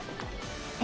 え⁉